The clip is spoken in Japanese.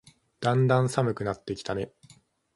だんだん寒くなってきたね。